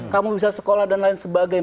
kamu bisa sekolah dan lain sebagainya